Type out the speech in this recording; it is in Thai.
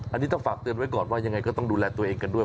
อันนี้ต้องฝากเตือนไว้ก่อนว่ายังไงก็ต้องดูแลตัวเองกันด้วย